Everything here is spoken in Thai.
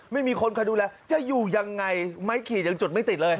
ไม่มีคนคอยดูแลจะอยู่ยังไงไม้ขีดยังจุดไม่ติดเลย